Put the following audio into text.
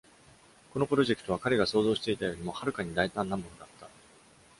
このプロジェクトは、彼が想像していたよりもはるかに大胆なものだった。